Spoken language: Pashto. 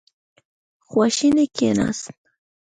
خواشینی کېناست.